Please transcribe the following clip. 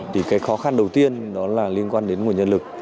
thì cái khó khăn đầu tiên đó là liên quan đến nguồn nhân lực